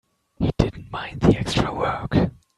He didn't mind the extra work.